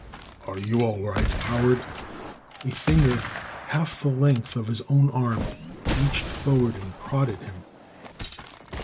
"Are you all right, Howard?" A finger half the length of his own arm reached forward and prodded him.